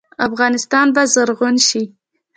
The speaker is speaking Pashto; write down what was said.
افغانستان به زرغون شي.